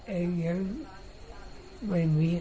เออนะเราตกลงกันนะเดี๋ยว